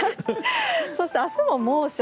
そして、明日も猛暑。